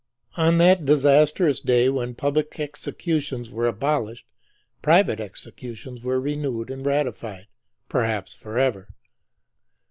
On that disastrous day when public executions were abolished, private executions were renewed and ratified, perhaps forever.